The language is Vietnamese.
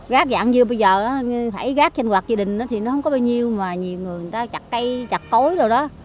rác dạng như bây giờ phải rác trên quạt gia đình thì nó không có bao nhiêu mà nhiều người người ta chặt cây chặt cối rồi đó